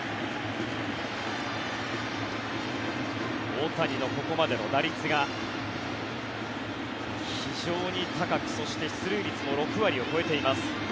大谷のここまでの打率が非常に高くそして、出塁率も６割を超えています。